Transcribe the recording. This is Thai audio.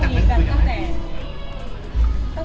จะไปจับเหมือนกัน